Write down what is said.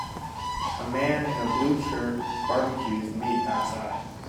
A man in a blue shirt barbecues meat outside.